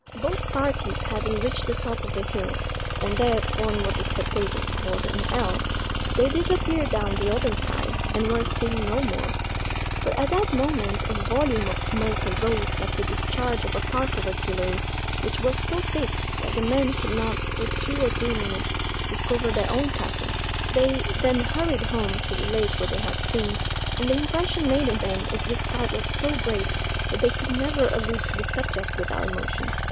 Both parties having reached the top of the hill, and there formed what the spectators called an L, they disappeared down the other side, and were seen no more; but at that moment a volume of smoke arose like the discharge of a park of artillery, which was so thick that the men could not, for two or three minutes, discover their own cattle. They then hurried home to relate what they had seen, and the impression made on them is described as so great, that they could never allude to the subject without emotion.